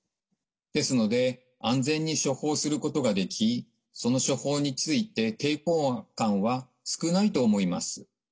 ですので安全に処方することができその処方について抵抗感は少ないと思います。